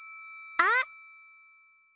あっ！